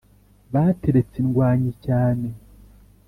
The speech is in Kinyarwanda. bateretse indwanyi cyane